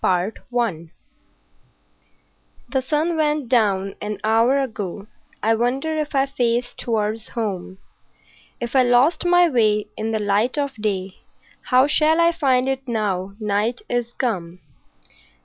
CHAPTER XIII The sun went down an hour ago, I wonder if I face towards home; If I lost my way in the light of day How shall I find it now night is come?